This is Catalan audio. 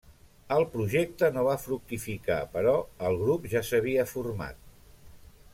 El projecte no va fructificar però el grup ja s'havia format.